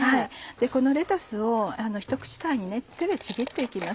このレタスをひと口大に手でちぎって行きます